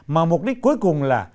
mà mục đích cuối cùng là